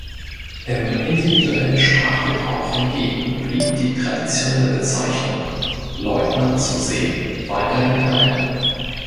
Im individuellen Sprachgebrauch hingegen blieb die traditionelle Bezeichnung "Leutnant zur See" weiterhin erhalten.